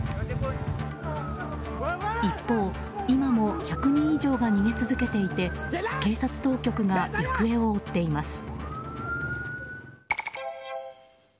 一方、今も１００人以上が逃げ続けていて警察当局が行方を追っています。